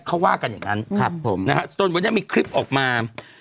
เขาว่ากันอย่างนั้นจนวันนี้มีคลิปออกมา